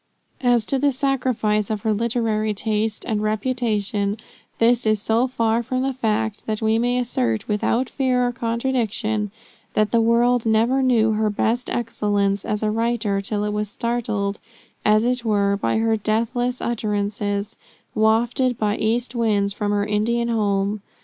As to the sacrifice of her literary taste and reputation, this is so far from the fact, that we may assert without fear of contradiction, that the world never knew her best excellence as a writer, till it was startled, as it were, by her deathless utterances, wafted by east winds from her Indian home.